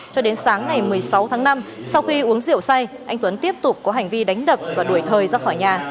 cho đến sáng ngày một mươi sáu tháng năm sau khi uống rượu say anh tuấn tiếp tục có hành vi đánh đập và đuổi thời ra khỏi nhà